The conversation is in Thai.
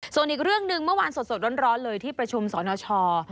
ส่วนอีกเรื่องหนึ่งเมื่อวานสดร้อนเลยที่ประชุมสนช